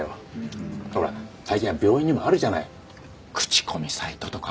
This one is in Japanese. ほら最近は病院にもあるじゃない口コミサイトとか。